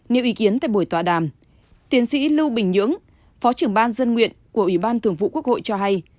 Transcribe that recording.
nếu ý kiến tại buổi tọa đàm tiến sĩ lưu bình nhưỡng phó trưởng ban dân nguyện của ủy ban thường vụ quốc hội cho hay